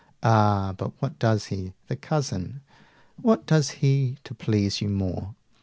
Ah, but what does he, The Cousin! what does he to please you more?